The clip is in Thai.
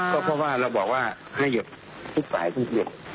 ก็เพราะว่าเราบอกว่าให้เหยียบทุกฝ่ายคุยเหยียบ